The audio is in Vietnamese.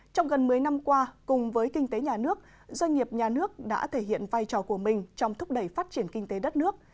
trong gần một mươi năm qua cùng với kinh tế nhà nước doanh nghiệp nhà nước đã thể hiện vai trò của mình trong thúc đẩy phát triển kinh tế đất nước